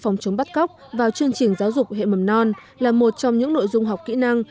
phòng chống bắt cóc vào chương trình giáo dục hệ mầm non là một trong những nội dung học kỹ năng